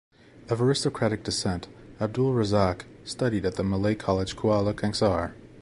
Of aristocratic descent, Abdul Razak studied at the Malay College Kuala Kangsar.